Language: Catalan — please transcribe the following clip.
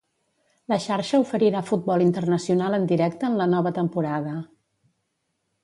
La Xarxa oferirà futbol internacional en directe en la nova temporada.